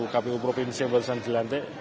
kpu provinsi yang barusan dilantik